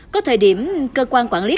có thời điểm cơ quan quản lý